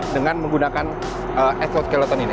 dengan menggunakan exoskeleton ini